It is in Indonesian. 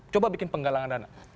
coba bikin penggalangan dana